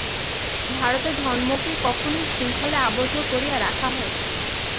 ভারতে ধর্মকে কখনই শৃঙ্খলে আবদ্ধ করিয়া রাখা হয় নাই।